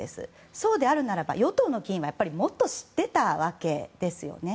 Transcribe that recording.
そうであるならば、与党の議員はもっと知っていたわけですよね。